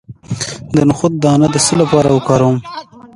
د نخود دانه د څه لپاره وکاروم؟